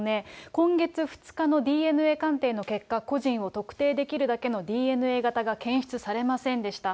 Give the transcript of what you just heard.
今月２日のＤＮＡ鑑定の結果、個人を特定できるだけのＤＮＡ型が検出されませんでした。